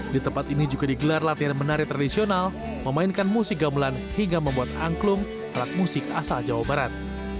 di tempat ini juga digelar latihan menari tradisional memainkan musik gamelan hingga membuat angklung alat musik asal jawa barat